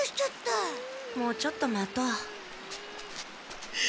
もうちょっと待とう。